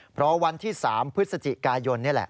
เพราะวันที่๓พฤศจิกายน